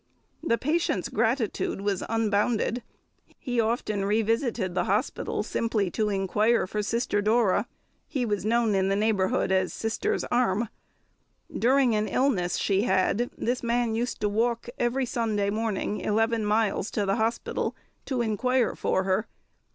The patient's gratitude was unbounded; he often revisited the hospital simply to inquire for Sister Dora. He was known in the neighbourhood as "Sister's Arm." During an illness she had, this man used to walk every Sunday morning eleven miles to the hospital to inquire for her.